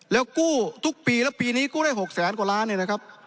แล้วกู้ทุกปีแล้วปีนี้กู้ได้๖แสนกว่าล้าน